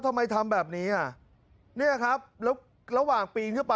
ทำไมทำแบบนี้อ่ะเนี่ยครับแล้วระหว่างปีนขึ้นไป